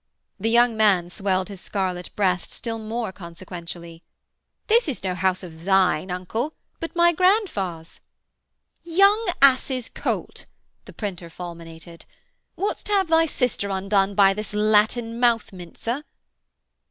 The young man swelled his scarlet breast still more consequentially. 'This is no house of thine, uncle, but my grandfar's.' 'Young ass's colt!' the printer fulminated. 'Would'st have thy sister undone by this Latin mouth mincer?'